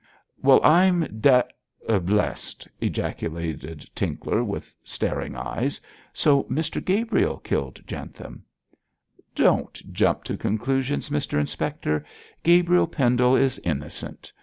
'Well, I'm d blessed!' ejaculated Tinkler, with staring eyes; 'so Mr Gabriel killed Jentham!' 'Don't jump to conclusions, Mr Inspector. Gabriel Pendle is innocent.